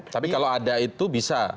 tapi kalau ada itu bisa